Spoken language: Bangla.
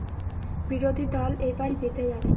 বিরোধী দল এইবার নিশ্চয়ই জিতে যাবে।